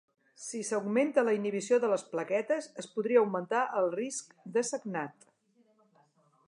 Si s'augmenta la inhibició de les plaquetes, es podria augmentar el risc de sagnat.